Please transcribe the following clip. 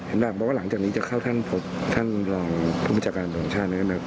เพราะว่าหลังจากนี้จะเข้าท่านพบท่านผู้มีจัดการของท่านไหมครับ